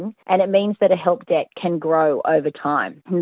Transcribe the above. dan itu berarti hutang help dapat berkembang sepanjang waktu